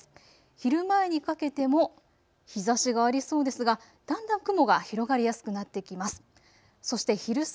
昼前にかけても日ざしがありそうですが、だんだん雲が広がりやすくなってきます。